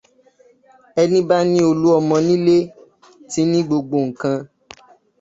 Ẹni bá ní Olúọmọ nílé ti ní gbogbo nǹkan.